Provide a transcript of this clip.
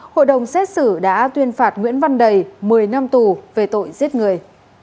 hội đồng xét xử đã tuyên phạt nguyễn văn đầy một mươi năm tù về tội giết người